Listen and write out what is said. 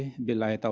terima kasih pak